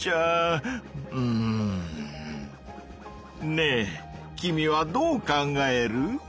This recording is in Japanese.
ねえ君はどう考える？